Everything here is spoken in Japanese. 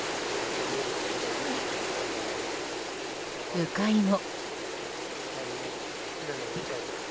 鵜飼も。